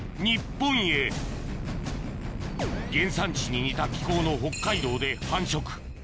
日本へ原産地に似た気候の北海道で繁殖